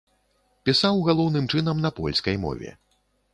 Пісаў галоўным чынам на польскай мове.